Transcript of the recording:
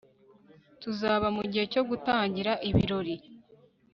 tuzaba mugihe cyo gutangira ibirori